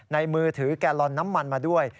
มือถือแกลลอนน้ำมันมาด้วย